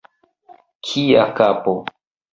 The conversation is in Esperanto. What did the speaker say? Kia kapo!